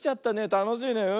たのしいねうん。